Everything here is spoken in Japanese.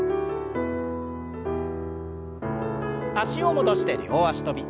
脚を戻して両脚跳び。